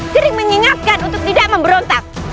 sering mengingatkan untuk tidak memberontak